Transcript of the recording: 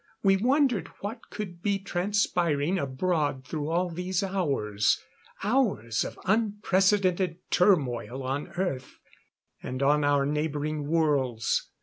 We wondered what could be transpiring abroad through all these hours. Hours of unprecedented turmoil on Earth, and on our neighboring worlds.